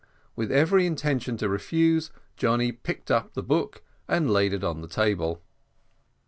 With every intention to refuse, Johnny picked up the book and laid it on the table.